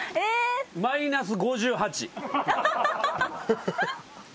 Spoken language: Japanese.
マイナス５８。